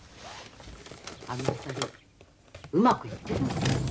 あの２人うまくいってるの？